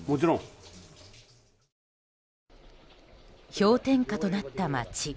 氷点下となった街。